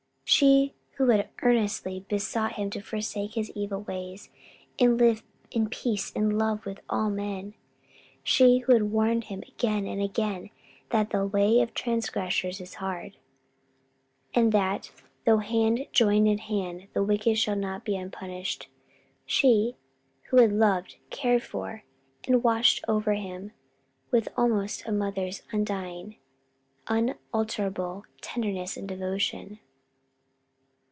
She who had so earnestly besought him to forsake his evil ways and live in peace and love with all men: she who had warned him again and again that "the way of transgressors is hard," and that "though hand join in hand, the wicked shall not be unpunished." She who had loved, cared for, and watched over him with almost a mother's undying, unalterable tenderness and devotion.